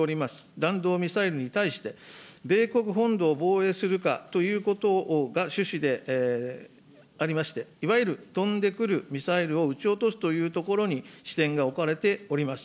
弾道ミサイルに対して、米国本土を防衛するかということが趣旨でありまして、いわゆる飛んでくるミサイルを撃ち落とすというところに視点が置かれております。